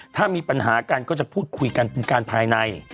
ถ้ามีปัญหากันก็จะพูดคุยกันเป็นการภายใน